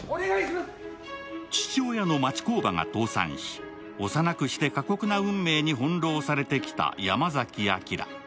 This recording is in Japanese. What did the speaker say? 父親の町工場が倒産し、幼くして過酷な運命に翻弄されてきた山崎瑛。